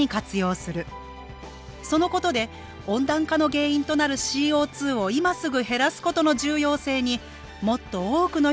そのことで温暖化の原因となるＣＯを今すぐ減らすことの重要性にもっと多くの人に気付いてほしい。